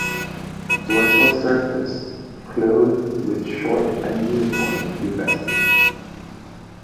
Dorsal surface clothed with short and uniform pubescence.